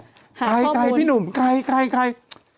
หาข้อมูลใครพี่หนุ่มใคร